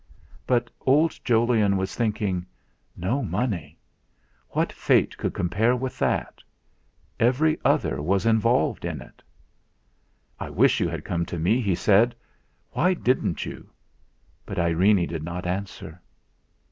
But old Jolyon was thinking: 'No money!' What fate could compare with that? Every other was involved in it. "I wish you had come to me," he said. "Why didn't you?" But Irene did not answer.